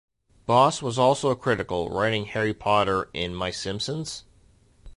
Boss was also critical, writing Harry Potter, in my Simpsons?